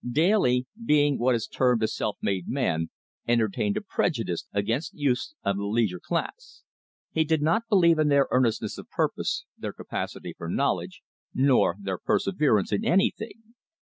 Daly, being what is termed a self made man, entertained a prejudice against youths of the leisure class. He did not believe in their earnestness of purpose, their capacity for knowledge, nor their perseverance in anything.